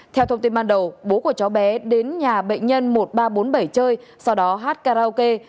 theo thông tin ban đầu bố của cháu bé đến nhà bệnh nhân một nghìn ba trăm bốn mươi bảy chơi sau đó hát karaoke